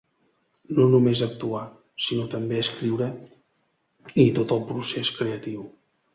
No només actuar, sinó també escriure i tot el procés creatiu.